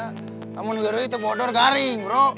namun ini kemodor garing bro